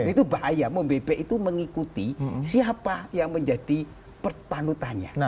itu bahaya membebek itu mengikuti siapa yang menjadi panutannya